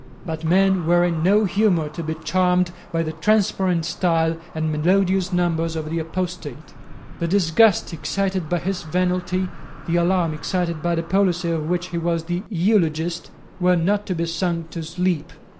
But men were in no humour to be charmed by the transparent style and melodious numbers of the apostate. The disgust excited by his venality, the alarm excited by the policy of which he was the eulogist, were not to be sung to sleep.